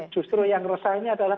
justru yang resahnya adalah